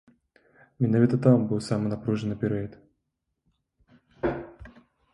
Менавіта там быў самы напружаны перыяд.